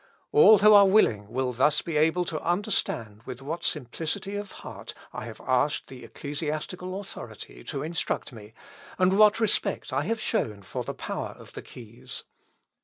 All who are willing will thus be able to understand with what simplicity of heart I have asked the ecclesiastical authority to instruct me, and what respect I have shown for the power of the keys.